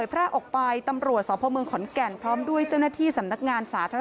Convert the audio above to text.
จะไปทำคอนเทศอะไรอย่างไรติดตามด้วยนะครับผม